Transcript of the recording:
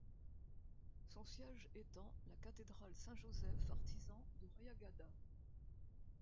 Son siège est en la cathédrale Saint-Joseph-Artisan de Rayagada.